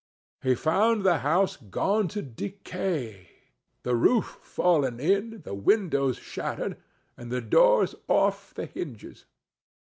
He found the house gone to decay—the roof fallen in, the windows shattered, and the doors off the hinges.